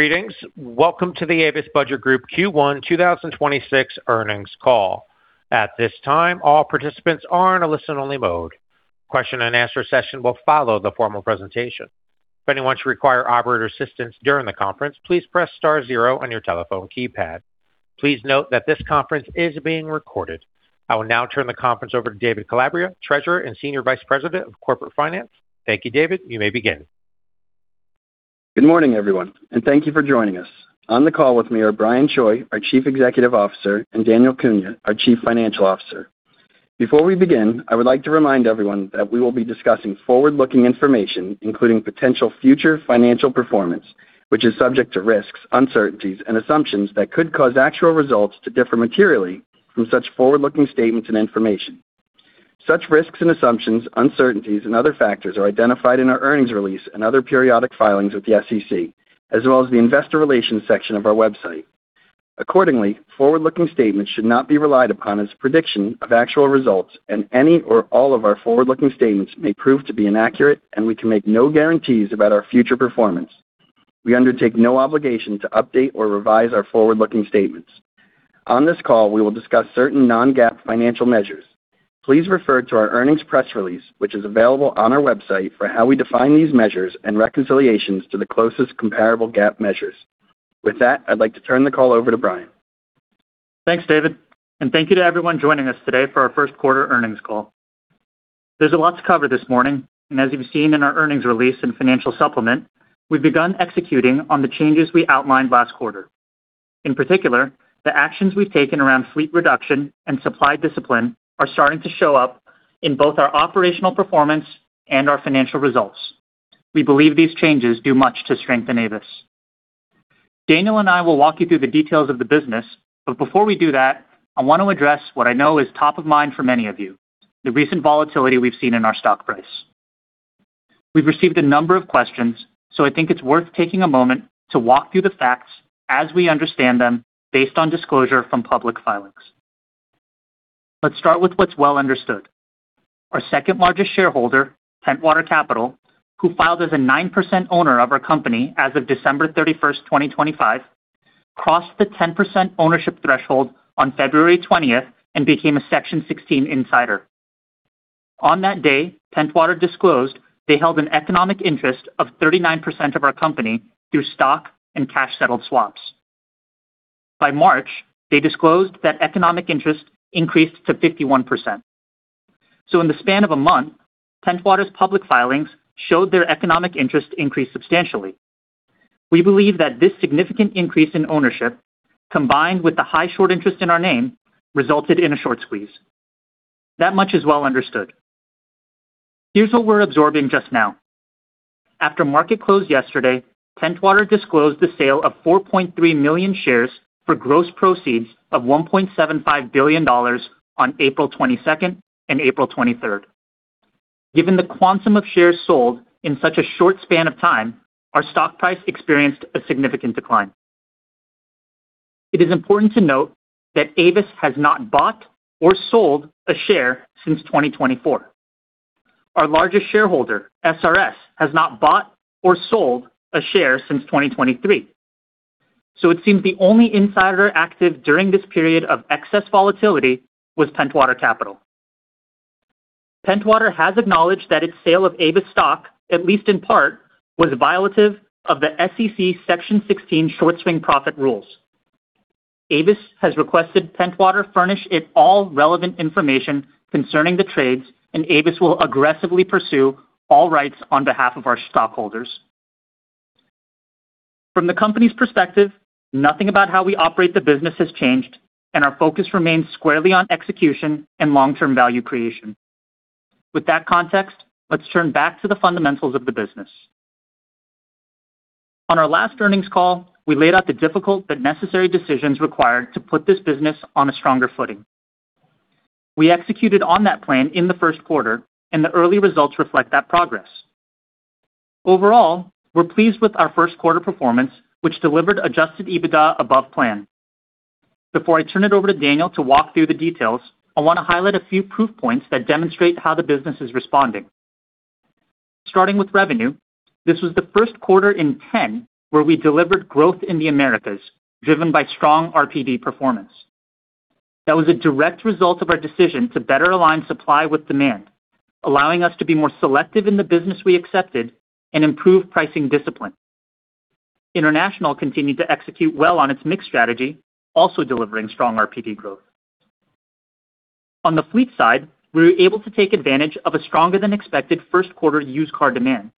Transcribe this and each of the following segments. Greetings. Welcome to the Avis Budget Group Q1 2026 earnings call. At this time, all participants are in a listen-only mode. Question-and answer session will follow the formal presentation. If anyone should require operator assistance during the conference, please press star zero on your telephone keypad. Please note that this conference is being recorded. I will now turn the conference over to David Calabria, Treasurer and Senior Vice President of Corporate Finance. Thank you, David. You may begin. Good morning, everyone, and thank you for joining us. On the call with me are Brian Choi, our Chief Executive Officer, and Daniel Cunha, our Chief Financial Officer. Before we begin, I would like to remind everyone that we will be discussing forward-looking information, including potential future financial performance, which is subject to risks, uncertainties, and assumptions that could cause actual results to differ materially from such forward-looking statements and information. Such risks and assumptions, uncertainties, and other factors are identified in our earnings release and other periodic filings with the SEC, as well as the investor relations section of our website. Accordingly, forward-looking statements should not be relied upon as prediction of actual results, and any or all of our forward-looking statements may prove to be inaccurate, and we can make no guarantees about our future performance. We undertake no obligation to update or revise our forward-looking statements. On this call, we will discuss certain non-GAAP financial measures. Please refer to our earnings press release, which is available on our website for how we define these measures and reconciliations to the closest comparable GAAP measures. With that, I'd like to turn the call over to Brian. Thanks, David, and thank you to everyone joining us today for our first quarter earnings call. There's a lot to cover this morning, and as you've seen in our earnings release and financial supplement, we've begun executing on the changes we outlined last quarter. In particular, the actions we've taken around fleet reduction and supply discipline are starting to show up in both our operational performance and our financial results. We believe these changes do much to strengthen Avis. Daniel and I will walk you through the details of the business, but before we do that, I want to address what I know is top of mind for many of you, the recent volatility we've seen in our stock price. We've received a number of questions, so I think it's worth taking a moment to walk through the facts as we understand them based on disclosure from public filings. Let's start with what's well understood. Our second-largest shareholder, Pentwater Capital, who filed as a 9% owner of our company as of December 31st, 2025, crossed the 10% ownership threshold on February 20th and became a Section 16 insider. On that day, Pentwater disclosed they held an economic interest of 39% of our company through stock and cash-settled swaps. By March, they disclosed that economic interest increased to 51%. In the span of a month, Pentwater's public filings showed their economic interest increased substantially. We believe that this significant increase in ownership, combined with the high short interest in our name, resulted in a short squeeze. That much is well understood. Here's what we're absorbing just now. After market closed yesterday, Pentwater disclosed the sale of 4.3 million shares for gross proceeds of $1.75 billion on April 22nd and April 23rd. Given the quantum of shares sold in such a short span of time, our stock price experienced a significant decline. It is important to note that Avis has not bought or sold a share since 2024. Our largest shareholder, SRS, has not bought or sold a share since 2023. It seems the only insider active during this period of excess volatility was Pentwater Capital. Pentwater has acknowledged that its sale of Avis stock, at least in part, was violative of the SEC Section 16 short swing profit rules. Avis has requested Pentwater furnish it all relevant information concerning the trades, and Avis will aggressively pursue all rights on behalf of our stockholders. From the company's perspective, nothing about how we operate the business has changed, and our focus remains squarely on execution and long-term value creation. With that context, let's turn back to the fundamentals of the business. On our last earnings call, we laid out the difficult but necessary decisions required to put this business on a stronger footing. We executed on that plan in the first quarter, and the early results reflect that progress. Overall, we're pleased with our first quarter performance, which delivered adjusted EBITDA above plan. Before I turn it over to Daniel to walk through the details, I want to highlight a few proof points that demonstrate how the business is responding. Starting with revenue, this was the first quarter in 10 where we delivered growth in the Americas, driven by strong RPD performance. That was a direct result of our decision to better align supply with demand, allowing us to be more selective in the business we accepted and improve pricing discipline. International continued to execute well on its mix strategy, also delivering strong RPD growth. On the fleet side, we were able to take advantage of a stronger-than-expected first quarter used car demand.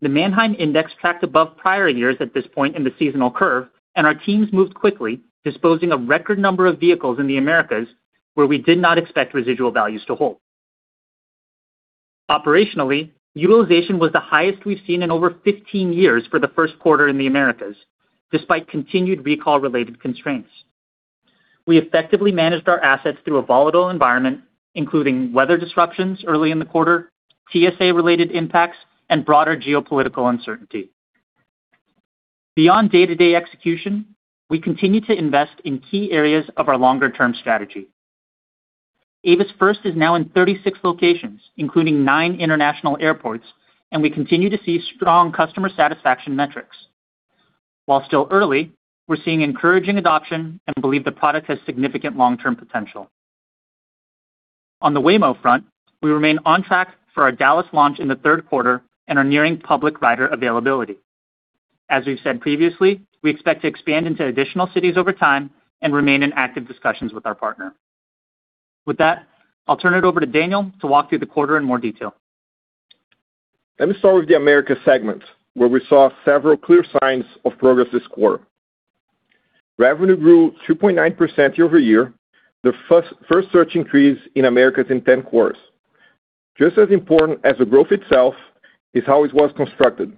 The Manheim Index tracked above prior years at this point in the seasonal curve, and our teams moved quickly, disposing a record number of vehicles in the Americas, where we did not expect residual values to hold. Operationally, utilization was the highest we've seen in over 15 years for the first quarter in the Americas, despite continued recall-related constraints. We effectively managed our assets through a volatile environment, including weather disruptions early in the quarter, TSA-related impacts, and broader geopolitical uncertainty. Beyond day-to-day execution, we continue to invest in key areas of our longer-term strategy. Avis First is now in 36 locations, including nine international airports. We continue to see strong customer satisfaction metrics. While still early, we're seeing encouraging adoption and believe the product has significant long-term potential. On the Waymo front, we remain on track for our Dallas launch in the third quarter and are nearing public rider availability. As we've said previously, we expect to expand into additional cities over time and remain in active discussions with our partner. With that, I'll turn it over to Daniel to walk through the quarter in more detail. Let me start with the America segment, where we saw several clear signs of progress this quarter. Revenue grew 2.9% year-over-year, the first such increase in Americas in 10 quarters. Just as important as the growth itself is how it was constructed.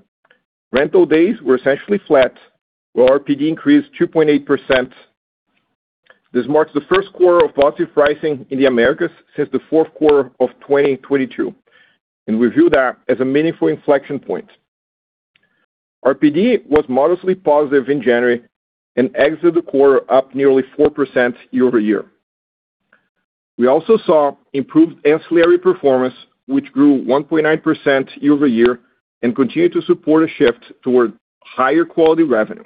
Rental days were essentially flat, while RPD increased 2.8%. This marks the first quarter of positive pricing in the Americas since the fourth quarter of 2022, and we view that as a meaningful inflection point. RPD was modestly positive in January and exited the quarter up nearly 4% year-over-year. We also saw improved ancillary performance, which grew 1.9% year-over-year and continued to support a shift toward higher quality revenue.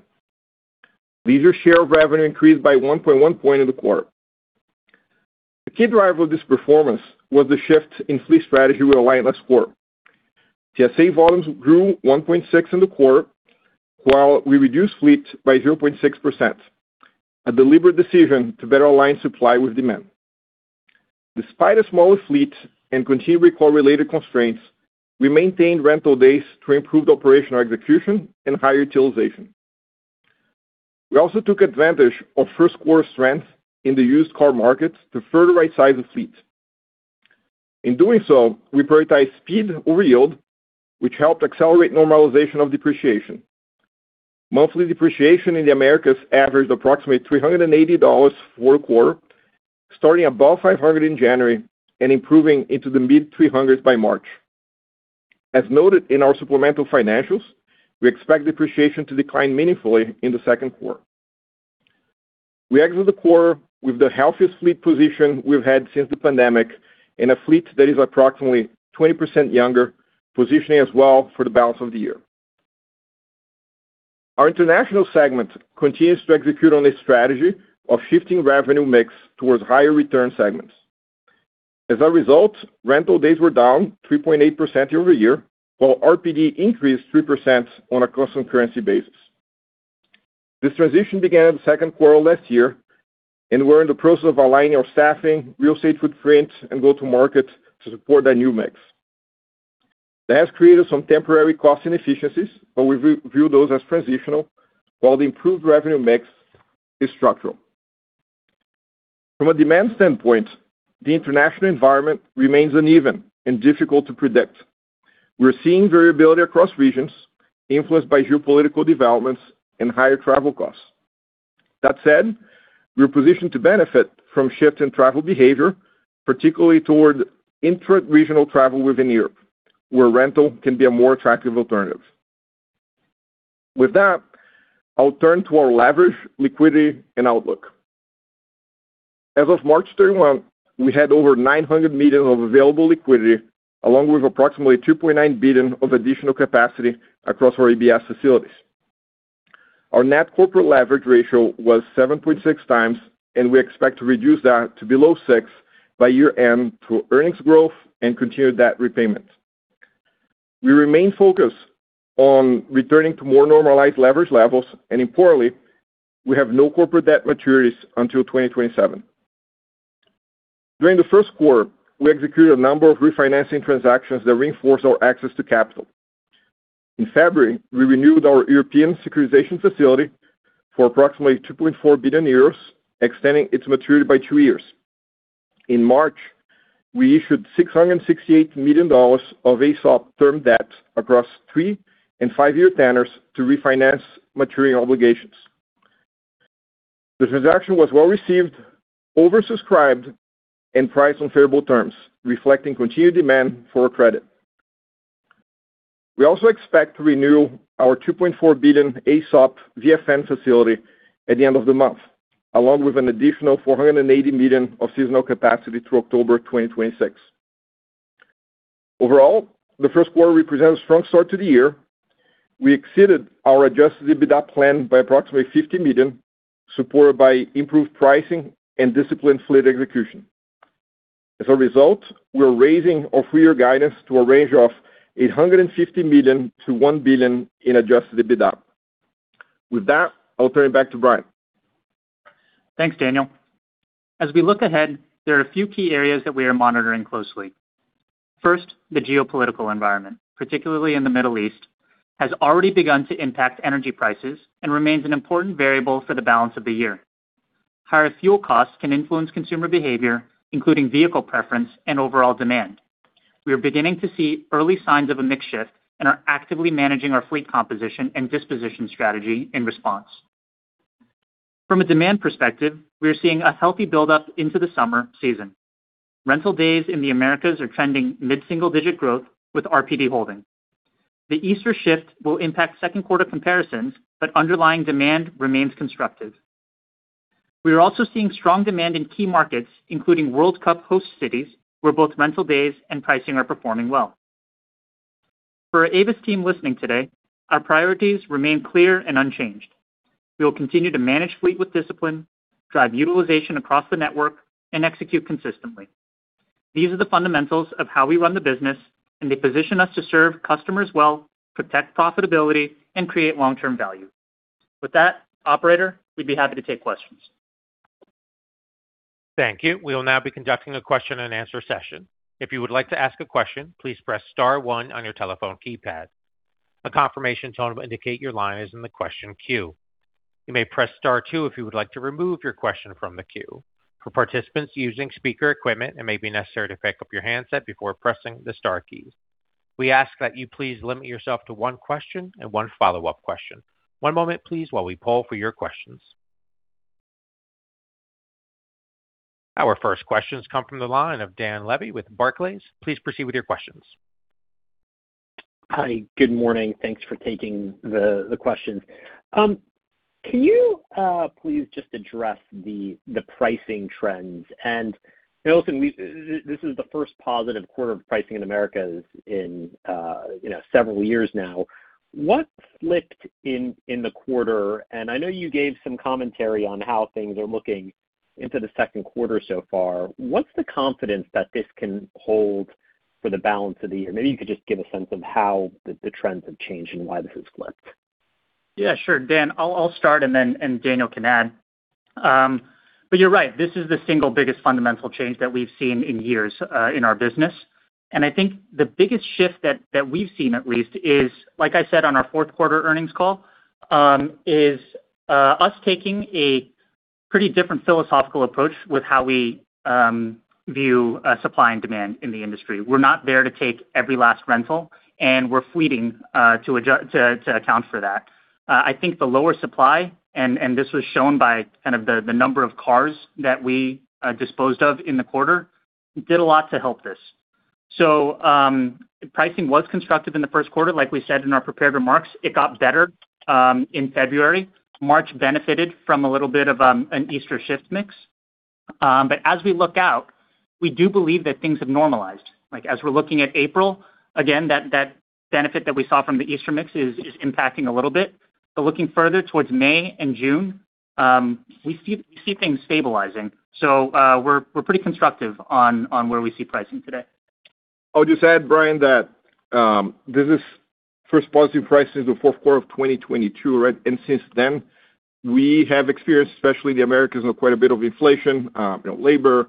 Leisure share of revenue increased by 1.1 point in the quarter. The key driver of this performance was the shift in fleet strategy we outlined last quarter. TSA volumes grew 1.6% in the quarter, while we reduced fleet by 0.6%, a deliberate decision to better align supply with demand. Despite a smaller fleet and continued recall-related constraints, we maintained rental days to improve the operational execution and higher utilization. We also took advantage of first quarter strength in the used car market to further right size the fleet. In doing so, we prioritized speed over yield, which helped accelerate normalization of depreciation. Monthly depreciation in the Americas averaged approximately $380 for a quarter, starting above $500 in January and improving into the mid-$300s by March. As noted in our supplemental financials, we expect depreciation to decline meaningfully in the second quarter. We exit the quarter with the healthiest fleet position we've had since the pandemic and a fleet that is approximately 20% younger, positioning us well for the balance of the year. Our international segment continues to execute on a strategy of shifting revenue mix towards higher return segments. Rental days were down 3.8% year-over-year, while RPD increased 3% on a constant currency basis. This transition began in the second quarter last year, we're in the process of aligning our staffing, real estate footprint, and go-to-market to support that new mix. That has created some temporary cost inefficiencies, we view those as transitional, while the improved revenue mix is structural. From a demand standpoint, the international environment remains uneven and difficult to predict. We're seeing variability across regions influenced by geopolitical developments and higher travel costs. That said, we're positioned to benefit from shifts in travel behavior, particularly toward intra-regional travel within Europe, where rental can be a more attractive alternative. With that, I'll turn to our leverage, liquidity, and outlook. As of March 31, we had over $900 million of available liquidity, along with approximately $2.9 billion of additional capacity across our ABS facilities. Our net corporate leverage ratio was 7.6x, and we expect to reduce that to below 6x by year-end through earnings growth and continued debt repayment. We remain focused on returning to more normalized leverage levels, and importantly, we have no corporate debt maturities until 2027. During the first quarter, we executed a number of refinancing transactions that reinforce our access to capital. In February, we renewed our European securitization facility for approximately 2.4 billion euros, extending its maturity by two years. In March, we issued $668 million of ASOP term debt across three and five year tenors to refinance maturing obligations. The transaction was well-received, oversubscribed, and priced on favorable terms, reflecting continued demand for our credit. We also expect to renew our $2.4 billion ASOP VFN facility at the end of the month, along with an additional $480 million of seasonal capacity through October 2026. Overall, the first quarter represents a strong start to the year. We exceeded our adjusted EBITDA plan by approximately $50 million, supported by improved pricing and disciplined fleet execution. As a result, we're raising our full-year guidance to a range of $850 million-$1 billion in adjusted EBITDA. With that, I'll turn it back to Brian. Thanks, Daniel. As we look ahead, there are a few key areas that we are monitoring closely. First, the geopolitical environment, particularly in the Middle East, has already begun to impact energy prices and remains an important variable for the balance of the year. Higher fuel costs can influence consumer behavior, including vehicle preference and overall demand. We are beginning to see early signs of a mix shift and are actively managing our fleet composition and disposition strategy in response. From a demand perspective, we are seeing a healthy buildup into the summer season. Rental days in the Americas are trending mid-single-digit growth with RPD holding. The Easter shift will impact second quarter comparisons, underlying demand remains constructive. We are also seeing strong demand in key markets, including World Cup host cities, where both rental days and pricing are performing well. For our Avis team listening today, our priorities remain clear and unchanged. We will continue to manage fleet with discipline, drive utilization across the network, and execute consistently. These are the fundamentals of how we run the business. They position us to serve customers well, protect profitability, and create long-term value. With that, operator, we would be happy to take questions. Thank you. We will now be conducting a question-and-answer session. If you would like to ask a question, please press star one on your telephone keypad. The confirmation tone will indicate your line is in the question queue. You may press star two if you would like to remove your question from the queue. For participants using speaker equipment, it may be necessary to pick up your handset before pressing the star key. We ask that you please limit yourself to one question and one follow-up question. One moment, please, while we poll for your questions. Our first questions come from the line of Dan Levy with Barclays. Please proceed with your questions. Hi, good morning. Thanks for taking the questions. Can you please just address the pricing trends? Daniel, this is the first positive quarter of pricing in Americas in, you know, several years now. What flipped in the quarter? I know you gave some commentary on how things are looking into the second quarter so far. What's the confidence that this can hold for the balance of the year? Maybe you could just give a sense of how the trends have changed and why this has flipped. Yeah, sure. Dan, I'll start. Then Daniel can add. You're right, this is the single biggest fundamental change that we've seen in years in our business. I think the biggest shift that we've seen at least is, like I said on our fourth quarter earnings call, is us taking a pretty different philosophical approach with how we view supply and demand in the industry. We're not there to take every last rental. We're fleeting to account for that. I think the lower supply, and this was shown by kind of the number of cars that we disposed of in the quarter, did a lot to help this. Pricing was constructive in the first quarter, like we said in our prepared remarks. It got better in February. March benefited from a little bit of an Easter shift mix. As we look out, we do believe that things have normalized. Like as we're looking at April, again, that benefit that we saw from the Easter mix is impacting a little bit. Looking further towards May and June, we see things stabilizing. We're pretty constructive on where we see pricing today. I'll just add, Brian, that this is first positive prices since the fourth quarter of 2022, right? Since then, we have experienced, especially the Americas, you know, quite a bit of inflation, you know, labor,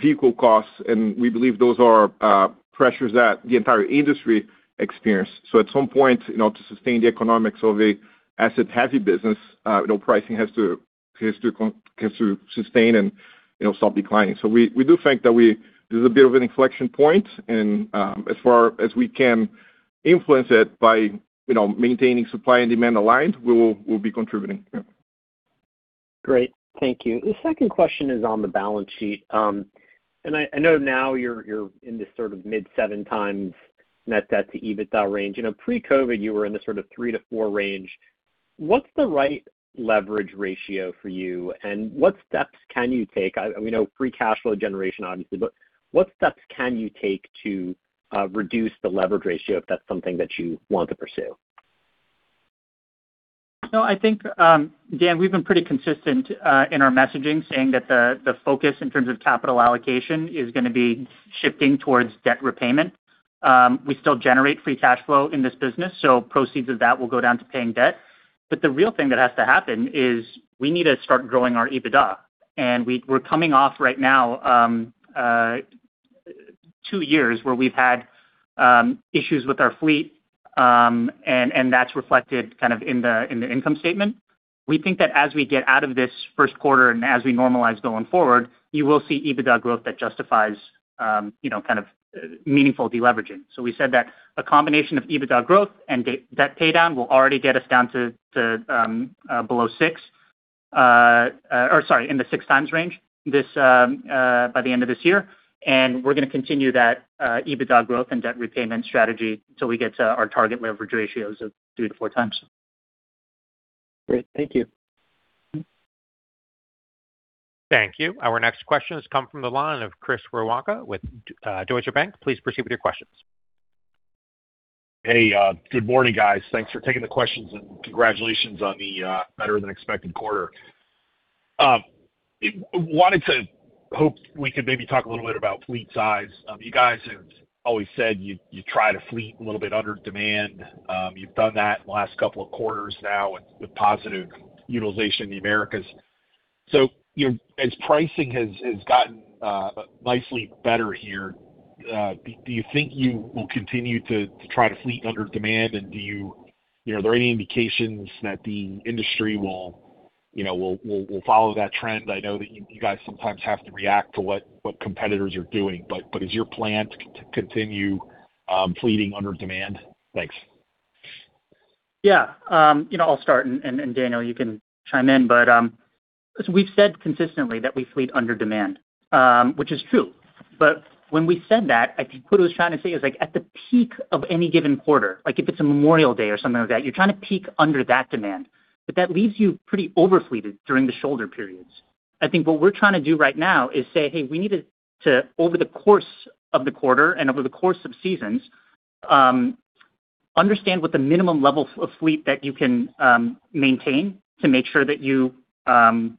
vehicle costs, and we believe those are pressures that the entire industry experienced. At some point, you know, to sustain the economics of an asset-heavy business, you know, pricing has to sustain and, you know, stop declining. We do think that this is a bit of an inflection point, and as far as we can influence it by, you know, maintaining supply and demand aligned, we will, we'll be contributing. Yeah. Great. Thank you. The second question is on the balance sheet. I know now you're in this sort of mid 7x net debt to EBITDA range. You know, pre-COVID, you were in the sort of 3x-4x range. What's the right leverage ratio for you, and what steps can you take? We know free cash flow generation, obviously, but what steps can you take to reduce the leverage ratio if that's something that you want to pursue? No, I think, Dan, we've been pretty consistent in our messaging, saying that the focus in terms of capital allocation is gonna be shifting towards debt repayment. We still generate free cash flow in this business, so proceeds of that will go down to paying debt. The real thing that has to happen is we need to start growing our EBITDA. We're coming off right now, two years where we've had issues with our fleet, and that's reflected kind of in the income statement. We think that as we get out of this first quarter and as we normalize going forward, you will see EBITDA growth that justifies, you know, kind of meaningful deleveraging. We said that a combination of EBITDA growth and debt pay down will already get us down to below 6. Or sorry, in the 6x range this by the end of this year. We're gonna continue that EBITDA growth and debt repayment strategy till we get to our target leverage ratios of 2x-4x. Great. Thank you. Thank you. Our next question has come from the line of Chris Woronka with Deutsche Bank. Please proceed with your questions. Hey, good morning, guys. Thanks for taking the questions, and congratulations on the better than expected quarter. Hope we could maybe talk a little bit about fleet size. You guys have always said you try to fleet a little bit under demand. You've done that the last couple of quarters now with positive utilization in the Americas. You know, as pricing has gotten nicely better here, do you think you will continue to try to fleet under demand? You know, are there any indications that the industry will follow that trend? I know that you guys sometimes have to react to what competitors are doing, but is your plan to continue fleeting under demand? Thanks. Yeah. you know, I'll start and Daniel, you can chime in. We've said consistently that we fleet under demand, which is true. When we said that, I think what I was trying to say is like at the peak of any given quarter, like if it's a Memorial Day or something like that, you're trying to peak under that demand. That leaves you pretty over-fleeted during the shoulder periods. I think what we're trying to do right now is say, "Hey, we need to, over the course of the quarter and over the course of seasons, understand what the minimum level of fleet that you can maintain to make sure that you aren't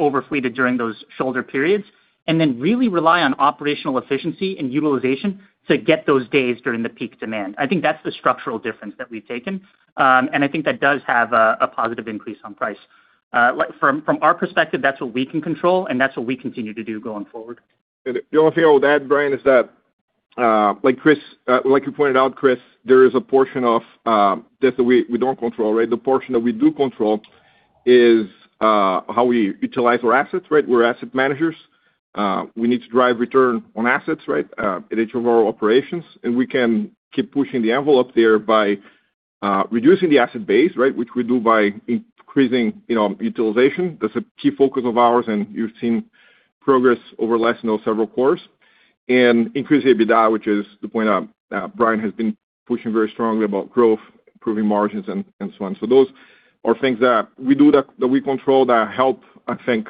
over-fleeted during those shoulder periods, and then really rely on operational efficiency and utilization to get those days during the peak demand." I think that's the structural difference that we've taken. I think that does have a positive increase on price. Like from our perspective, that's what we can control, and that's what we continue to do going forward. The only thing I would add, Brian, is that, like you pointed out, Chris, there is a portion of debt that we don't control, right? The portion that we do control is how we utilize our assets, right? We're asset managers. We need to drive return on assets, right, in each of our operations, and we can keep pushing the envelope there by reducing the asset base, right, which we do by increasing, you know, utilization. That's a key focus of ours, and you've seen progress over the last, you know, several quarters. Increasing EBITDA, which is the point, Brian has been pushing very strongly about growth, improving margins, and so on. Those are things that we do that we control that help, I think,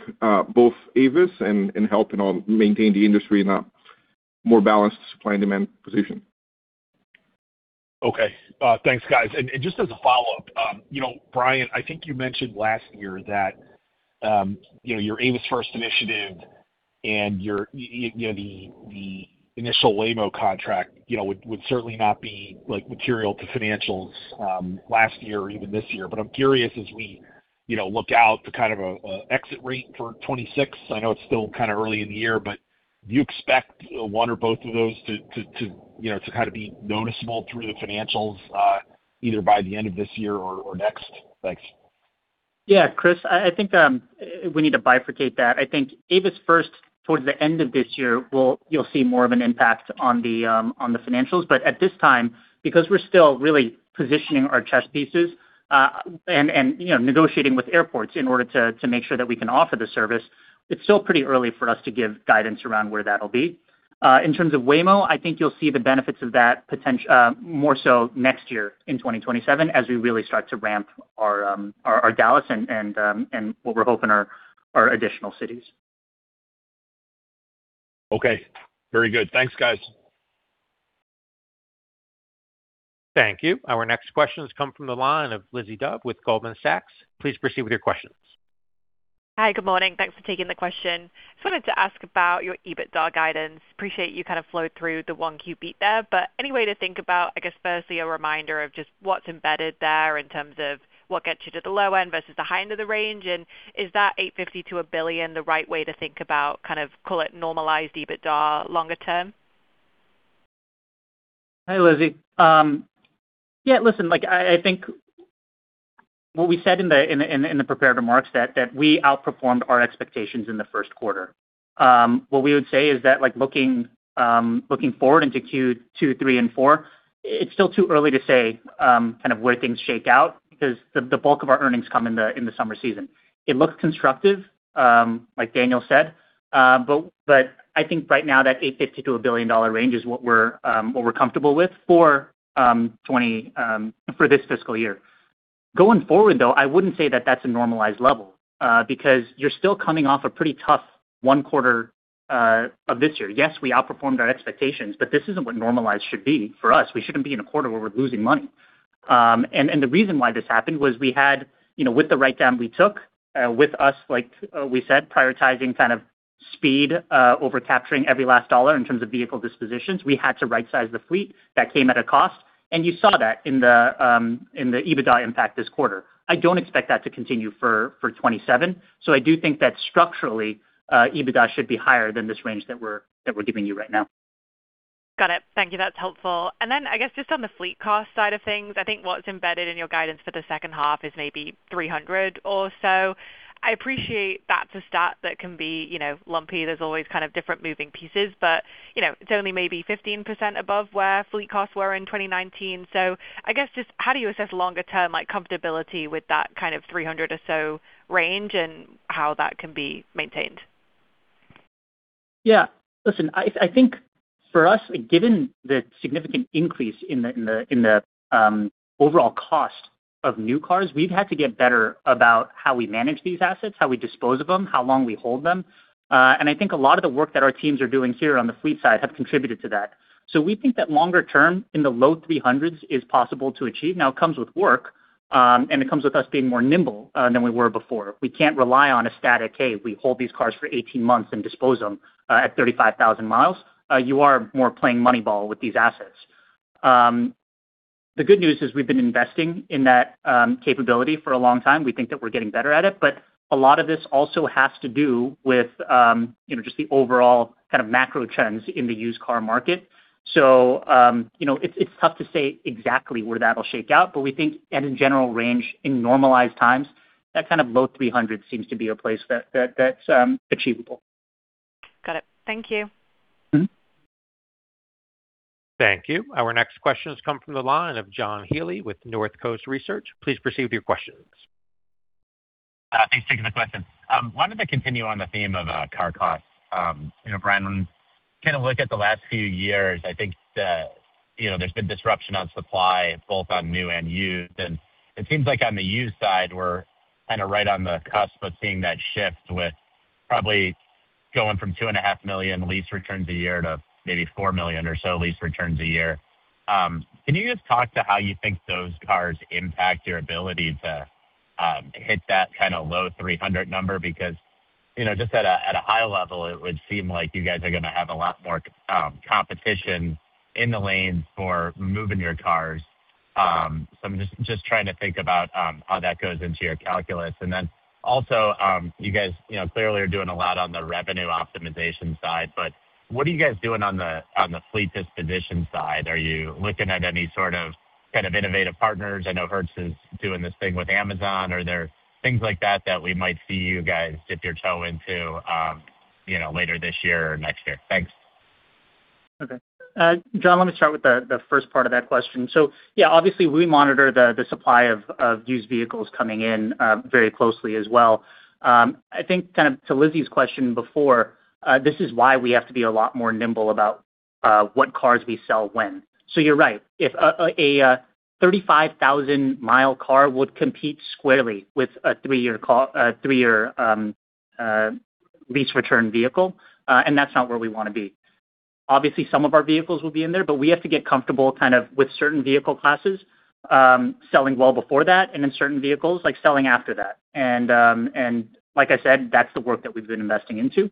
both Avis and help, you know, maintain the industry in a more balanced supply and demand position. Okay. Thanks, guys. Just as a follow-up, you know, Brian, I think you mentioned last year that, you know, your Avis First initiative and your, you know, the initial Waymo contract, you know, would certainly not be like material to financials, last year or even this year. I'm curious as we, you know, look out to kind of an exit rate for 2026. I know it's still kind of early in the year, do you expect one or both of those to, you know, to kind of be noticeable through the financials, either by the end of this year or next? Thanks. Chris, I think we need to bifurcate that. I think Avis First, towards the end of this year, you'll see more of an impact on the financials. At this time, because we're still really positioning our chess pieces, and, you know, negotiating with airports in order to make sure that we can offer the service, it's still pretty early for us to give guidance around where that'll be. In terms of Waymo, I think you'll see the benefits of that more so next year in 2027 as we really start to ramp our Dallas and what we're hoping are our additional cities. Okay. Very good. Thanks, guys. Thank you. Our next question has come from the line of Lizzie Dove with Goldman Sachs. Please proceed with your questions. Hi. Good morning. Thanks for taking the question. Just wanted to ask about your EBITDA guidance. Appreciate you kind of flowed through the 1Q beat there, any way to think about, I guess, firstly, a reminder of just what's embedded there in terms of what gets you to the low end versus the high end of the range? Is that $850 million-$1 billion the right way to think about kind of, call it, normalized EBITDA longer term? Hi, Lizzie. Yeah, listen, like I think what we said in the prepared remarks that we outperformed our expectations in the first quarter. What we would say is that like looking forward into Q2, Q3, and Q4, it's still too early to say kind of where things shake out because the bulk of our earnings come in the summer season. It looks constructive, like Daniel said. But I think right now that $850 million-$1 billion range is what we're comfortable with for this fiscal year. Going forward, though, I wouldn't say that that's a normalized level because you're still coming off a pretty tough one quarter of this year. Yes, we outperformed our expectations. This isn't what normalized should be for us. We shouldn't be in a quarter where we're losing money. The reason why this happened was we had, you know, with the writedown we took, with us, like, we said, prioritizing kind of speed over capturing every last dollar in terms of vehicle dispositions. We had to rightsize the fleet. That came at a cost. You saw that in the EBITDA impact this quarter. I don't expect that to continue for 2027. I do think that structurally EBITDA should be higher than this range that we're giving you right now. Got it. Thank you. That's helpful. Then I guess just on the fleet cost side of things, I think what's embedded in your guidance for the second half is maybe $300 or so. I appreciate that's a stat that can be, you know, lumpy. There's always kind of different moving pieces. You know, it's only maybe 15% above where fleet costs were in 2019. I guess just how do you assess longer term like comfortability with that kind of $300 or so range and how that can be maintained? Listen, I think for us, given the significant increase in the overall cost of new cars, we've had to get better about how we manage these assets, how we dispose of them, how long we hold them. I think a lot of the work that our teams are doing here on the fleet side have contributed to that. We think that longer term in the low 300s is possible to achieve. Now, it comes with work, and it comes with us being more nimble than we were before. We can't rely on a static, "Hey, we hold these cars for 18 months and dispose them at 35,000 miles." You are more playing Moneyball with these assets. The good news is we've been investing in that capability for a long time. We think that we're getting better at it, but a lot of this also has to do with, you know, just the overall kind of macro trends in the used car market. It's tough to say exactly where that'll shake out, but we think at a general range in normalized times, that kind of low $300 seems to be a place that's achievable. Got it. Thank you. Thank you. Our next question has come from the line of John Healy with Northcoast Research. Please proceed with your questions. Thanks for taking the question. Wanted to continue on the theme of car costs. You know, Brian, when you kinda look at the last few years, I think that, you know, there's been disruption on supply, both on new and used, and it seems like on the used side, we're kinda right on the cusp of seeing that shift with probably going from $2.5 million lease returns a year to maybe $4 million or so lease returns a year. Can you just talk to how you think those cars impact your ability to hit that kinda low 300 number? Because, you know, just at a high level, it would seem like you guys are gonna have a lot more competition in the lanes for moving your cars. I'm just trying to think about how that goes into your calculus. You guys, you know, clearly are doing a lot on the revenue optimization side, but what are you guys doing on the fleet disposition side? Are you looking at any sort of kind of innovative partners? I know Hertz is doing this thing with Amazon. Are there things like that that we might see you guys dip your toe into, you know, later this year or next year? Thanks. Okay. John, let me start with the first part of that question. Yeah, obviously, we monitor the supply of used vehicles coming in very closely as well. I think kind of to Lizzie's question before, this is why we have to be a lot more nimble about what cars we sell when. You're right. If a 35,000 mile car would compete squarely with a three-year lease return vehicle, that's not where we wanna be. Obviously, some of our vehicles will be in there, but we have to get comfortable kind of with certain vehicle classes selling well before that, and then certain vehicles, like, selling after that. Like I said, that's the work that we've been investing into.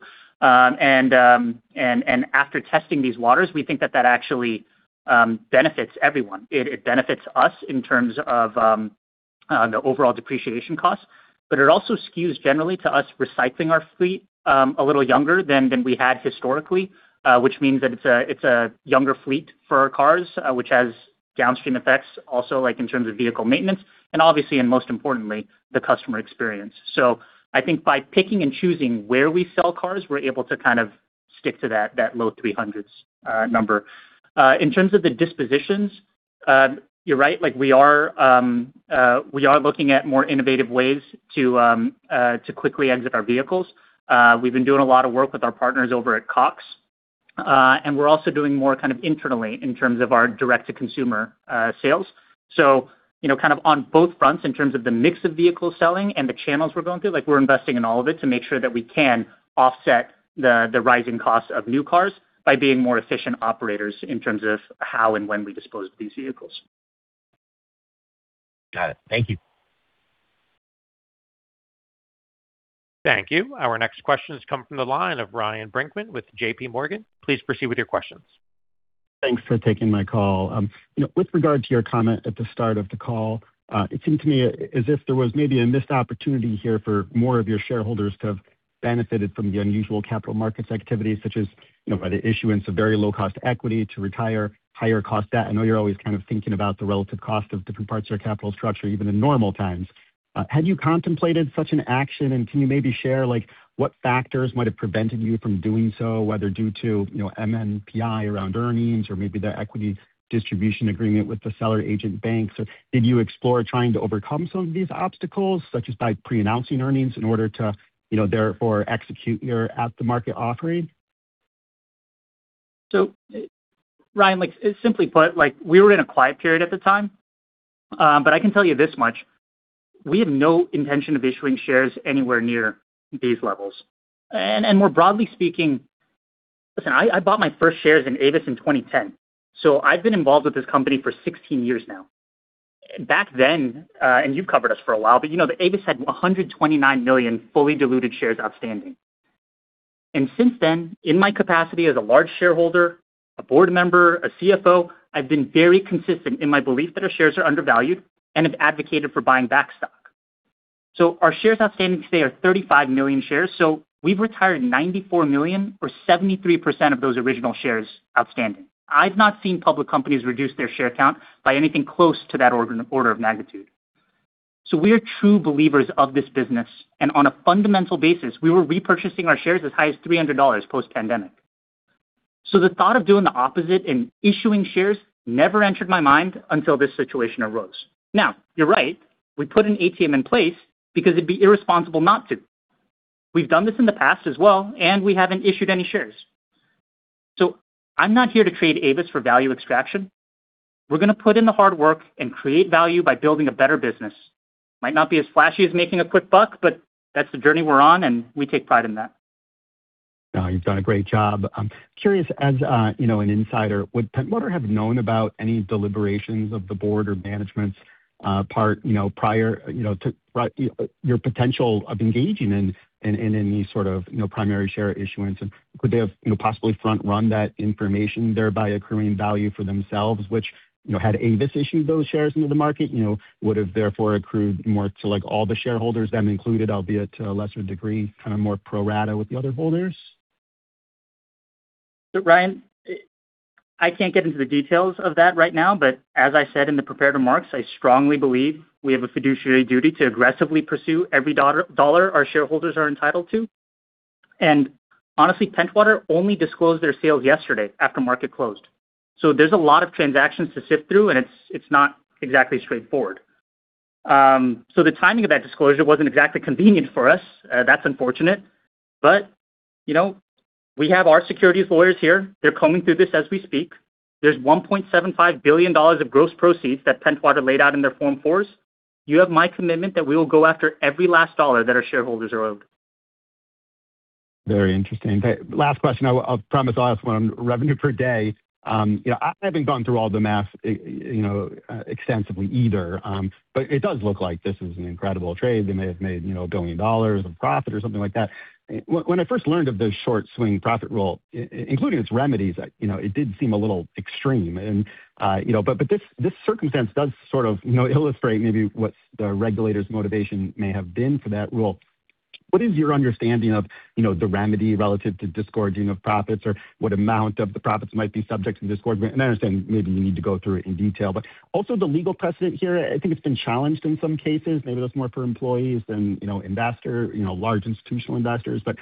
After testing these waters, we think that that actually benefits everyone. It benefits us in terms of the overall depreciation costs, but it also skews generally to us recycling our fleet a little younger than we had historically. Which means that it's a younger fleet for our cars, which has downstream effects also, like, in terms of vehicle maintenance and obviously, and most importantly, the customer experience. I think by picking and choosing where we sell cars, we're able to kind of stick to that low 300s number. In terms of the dispositions, you're right. Like, we are looking at more innovative ways to quickly exit our vehicles. We've been doing a lot of work with our partners over at Cox, and we're also doing more kind of internally in terms of our direct-to-consumer sales. You know, kind of on both fronts in terms of the mix of vehicle selling and the channels we're going through, like, we're investing in all of it to make sure that we can offset the rising cost of new cars by being more efficient operators in terms of how and when we dispose these vehicles. Got it. Thank you. Thank you. Our next question has come from the line of Ryan Brinkman with JPMorgan. Please proceed with your questions. Thanks for taking my call. You know, with regard to your comment at the start of the call, it seemed to me as if there was maybe a missed opportunity here for more of your shareholders to have benefited from the unusual capital markets activity, such as, you know, by the issuance of very low-cost equity to retire higher cost debt. I know you're always kind of thinking about the relative cost of different parts of your capital structure, even in normal times. Had you contemplated such an action, and can you maybe share, like, what factors might have prevented you from doing so, whether due to, you know, MNPI around earnings or maybe the equity distribution agreement with the seller agent banks? Did you explore trying to overcome some of these obstacles, such as by pre-announcing earnings in order to, you know, therefore execute your at the market offering? Ryan, simply put, we were in a quiet period at the time. I can tell you this much, we have no intention of issuing shares anywhere near these levels. More broadly speaking, listen, I bought my first shares in Avis in 2010, so I've been involved with this company for 16 years now. Back then, and you've covered us for a while, you know that Avis had 129 million fully diluted shares outstanding. Since then, in my capacity as a large shareholder, a board member, a CFO, I've been very consistent in my belief that our shares are undervalued and have advocated for buying back stock. Our shares outstanding today are 35 million shares. We've retired 94 million or 73% of those original shares outstanding. I've not seen public companies reduce their share count by anything close to that order of magnitude. We're true believers of this business, and on a fundamental basis, we were repurchasing our shares as high as $300 post-pandemic. The thought of doing the opposite and issuing shares never entered my mind until this situation arose. Now, you're right. We put an ATM in place because it'd be irresponsible not to. We've done this in the past as well, and we haven't issued any shares. I'm not here to trade Avis for value extraction. We're gonna put in the hard work and create value by building a better business. Might not be as flashy as making a quick buck, but that's the journey we're on, and we take pride in that. No, you've done a great job. Curious, as, you know, an insider, would Pentwater have known about any deliberations of the board or management's part, you know, prior, you know, to your potential of engaging in any sort of, you know, primary share issuance? Could they have, you know, possibly front-run that information, thereby accruing value for themselves, which, you know, had Avis issued those shares into the market, you know, would have therefore accrued more to, like, all the shareholders, them included, albeit to a lesser degree, kinda more pro rata with the other holders? Ryan, I can't get into the details of that right now, but as I said in the prepared remarks, I strongly believe we have a fiduciary duty to aggressively pursue every dollar our shareholders are entitled to. Honestly, Pentwater only disclosed their sales yesterday after market closed. There's a lot of transactions to sift through, and it's not exactly straightforward. The timing of that disclosure wasn't exactly convenient for us. That's unfortunate. You know, we have our securities lawyers here. They're combing through this as we speak. There's $1.75 billion of gross proceeds that Pentwater laid out in their Form 4s. You have my commitment that we will go after every last dollar that our shareholders are owed. Very interesting. Last question. I promise I'll ask one. Revenue per day, you know, I haven't gone through all the math, you know, extensively either, but it does look like this is an incredible trade. They may have made, you know, $1 billion of profit or something like that. When I first learned of the short swing profit rule, including its remedies, you know, it did seem a little extreme. You know, but this circumstance does sort of, you know, illustrate maybe what the regulator's motivation may have been for that rule. What is your understanding of, you know, the remedy relative to disgorging of profits or what amount of the profits might be subject to disgorgement? I understand maybe you need to go through it in detail. Also the legal precedent here, I think it's been challenged in some cases. Maybe that's more for employees than, you know, investor, you know, large institutional investors. You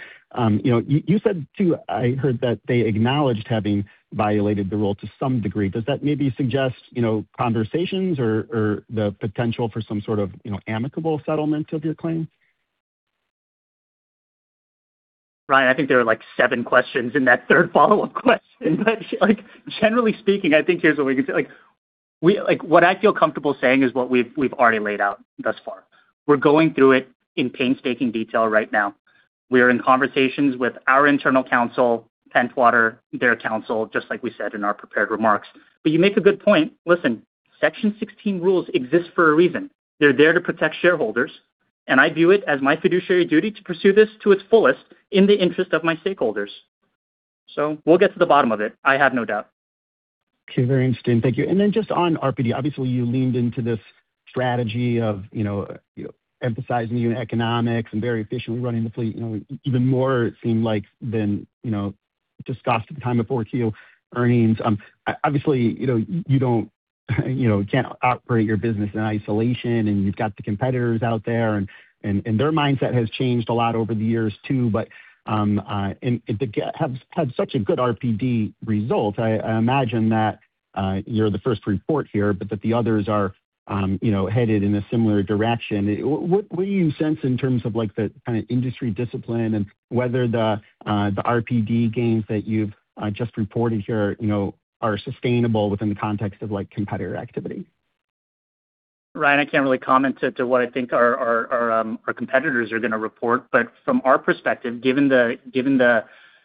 know, you said too, I heard that they acknowledged having violated the rule to some degree. Does that maybe suggest, you know, conversations or the potential for some sort of, you know, amicable settlement of your claim? Ryan, I think there are, like, seven questions in that third follow-up question. Like, generally speaking, I think here's what we can say. Like, what I feel comfortable saying is what we've already laid out thus far. We're going through it in painstaking detail right now. We're in conversations with our internal counsel, Pentwater, their counsel, just like we said in our prepared remarks. You make a good point. Listen, Section 16 rules exist for a reason. They're there to protect shareholders, and I view it as my fiduciary duty to pursue this to its fullest in the interest of my stakeholders. We'll get to the bottom of it, I have no doubt. Okay, very interesting. Thank you. Just on RPD, obviously, you leaned into this strategy of, you know, emphasizing unit economics and very efficiently running the fleet, you know, even more it seemed like than, you know, discussed at the time of 4Q earnings. Obviously, you know, you don't, you know, can't operate your business in isolation, and you've got the competitors out there, and their mindset has changed a lot over the years too. To have had such a good RPD result, I imagine that you're the first to report here, but that the others are, you know, headed in a similar direction. What do you sense in terms of, like, the kind of industry discipline and whether the RPD gains that you've just reported here, you know, are sustainable within the context of, like, competitor activity? Ryan, I can't really comment to what I think our competitors are going to report. From our perspective, given the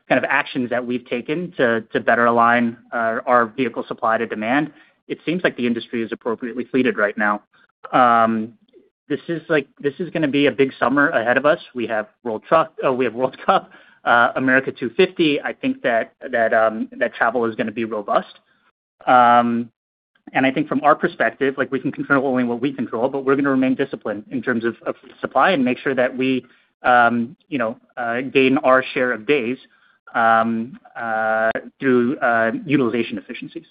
kind of actions that we've taken to better align our vehicle supply to demand, it seems like the industry is appropriately fleeted right now. This is gonna be a big summer ahead of us. We have World Cup, America 250. I think that travel is gonna be robust. I think from our perspective, like we can control only what we control, but we're gonna remain disciplined in terms of supply and make sure that we, you know, gain our share of days through utilization efficiencies.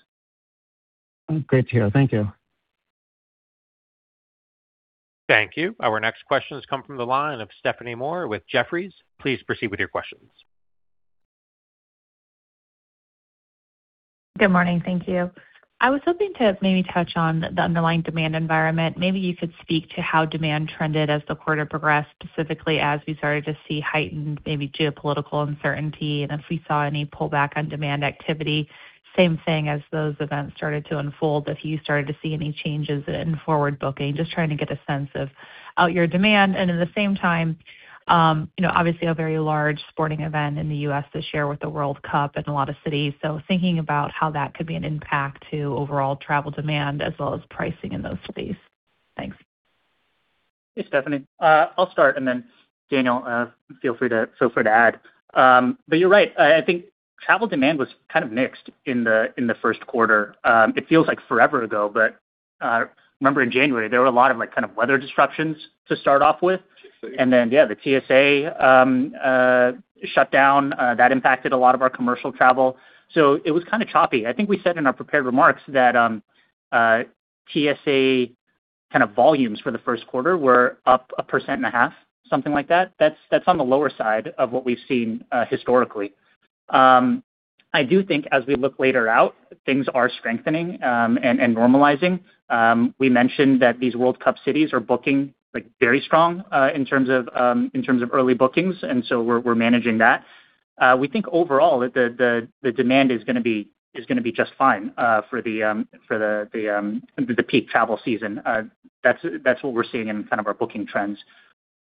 Great to hear. Thank you. Thank you. Our next question has come from the line of Stephanie Moore with Jefferies. Please proceed with your questions. Good morning. Thank you. I was hoping to maybe touch on the underlying demand environment. Maybe you could speak to how demand trended as the quarter progressed, specifically as we started to see heightened maybe geopolitical uncertainty, and if we saw any pullback on demand activity. Same thing as those events started to unfold, if you started to see any changes in forward booking, just trying to get a sense of out your demand. At the same time, you know, obviously a very large sporting event in the U.S. this year with the World Cup and a lot of cities. Thinking about how that could be an impact to overall travel demand as well as pricing in those cities. Thanks. Yes, Stephanie. I'll start, then Daniel, feel free to add. You're right. I think travel demand was kind of mixed in the first quarter. It feels like forever ago, but, remember in January, there were a lot of, like, kind of weather disruptions to start off with. Then, yeah, the TSA, shut down. That impacted a lot of our commercial travel. It was kinda choppy. I think we said in our prepared remarks that, TSA kind of volumes for the first quarter were up 1.5%, something like that. That's, that's on the lower side of what we've seen, historically. I do think as we look later out, things are strengthening, and normalizing. We mentioned that these World Cup cities are booking, like, very strong in terms of early bookings, we're managing that. We think overall the demand is gonna be just fine for the peak travel season. That's what we're seeing in kind of our booking trends.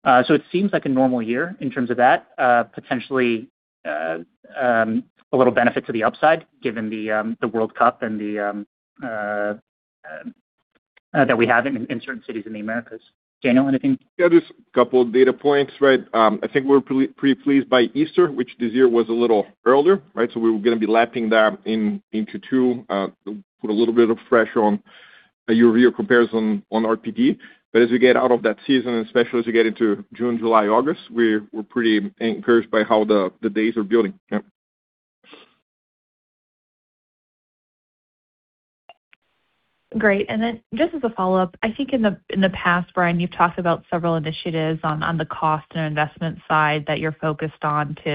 It seems like a normal year in terms of that. Potentially a little benefit to the upside given the World Cup and that we have in certain cities in the Americas. Daniel, anything? Yeah, just a couple of data points, right? I think we're pretty pleased by Easter, which this year was a little earlier, right? We were gonna be lapping that in into two, put a little bit of pressure on a year-over-year comparison on RPD. As we get out of that season, and especially as we get into June, July, August, we're pretty encouraged by how the days are building. Yeah. Great. Just as a follow-up, I think in the, in the past, Brian, you've talked about several initiatives on the cost and investment side that you're focused on to,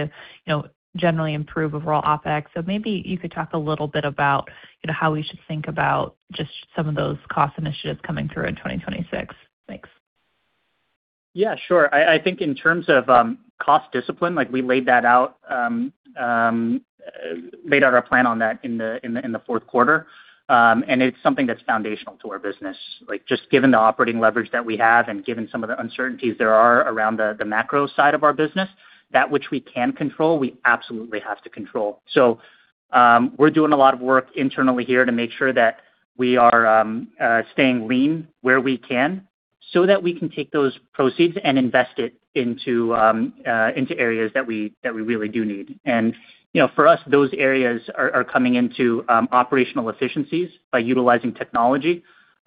you know, generally improve overall OpEx. Maybe you could talk a little bit about, you know, how we should think about just some of those cost initiatives coming through in 2026. Thanks. Yeah, sure. I think in terms of cost discipline, like, we laid that out, laid out our plan on that in the fourth quarter. It's something that's foundational to our business. Like, just given the operating leverage that we have and given some of the uncertainties there are around the macro side of our business, that which we can control, we absolutely have to control. We're doing a lot of work internally here to make sure that we are staying lean where we can so that we can take those proceeds and invest it into areas that we, that we really do need. You know, for us, those areas are coming into operational efficiencies by utilizing technology,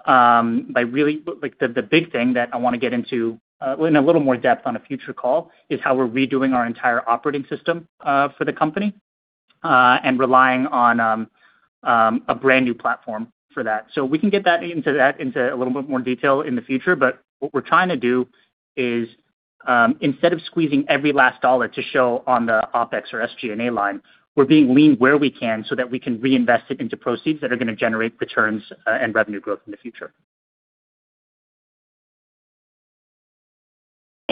by really. Like, the big thing that I wanna get into in a little more depth on a future call is how we're redoing our entire operating system for the company and relying on a brand-new platform for that. We can get into that into a little bit more detail in the future, but what we're trying to do is instead of squeezing every last dollar to show on the OpEx or SG&A line, we're being lean where we can so that we can reinvest it into proceeds that are gonna generate returns and revenue growth in the future.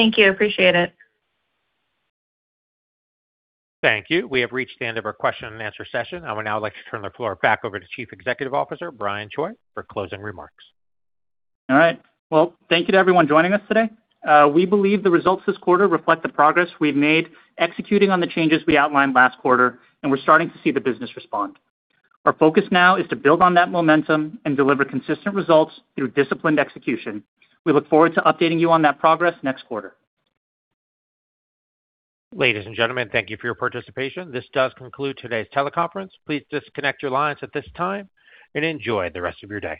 Thank you. Appreciate it. Thank you. We have reached the end of our question-and-answer session. I would now like to turn the floor back over to Chief Executive Officer, Brian Choi, for closing remarks. All right. Well, thank you to everyone joining us today. We believe the results this quarter reflect the progress we've made executing on the changes we outlined last quarter, and we're starting to see the business respond. Our focus now is to build on that momentum and deliver consistent results through disciplined execution. We look forward to updating you on that progress next quarter. Ladies and gentlemen, thank you for your participation. This does conclude today's teleconference. Please disconnect your lines at this time, and enjoy the rest of your day.